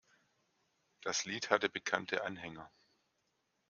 Das Lied hatte bekannte Anhänger.